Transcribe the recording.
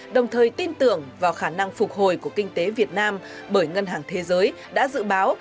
đồng thời tin tưởng vào khả năng phục hồi của kinh tế việt nam bởi ngân hàng thế giới đã dự báo